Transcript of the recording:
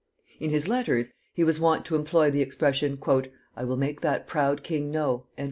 In his letters he was wont to employ the expression, "I will make that proud king know" &c.